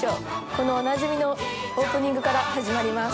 「このおなじみのオープニングから始まります」